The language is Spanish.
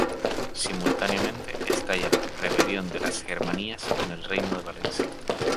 Simultáneamente estalla la "Rebelión de las Germanías" en el Reino de Valencia.